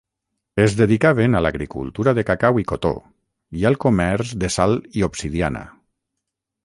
Es dedicaven a l'agricultura de cacau i cotó, i al comerç de sal i obsidiana.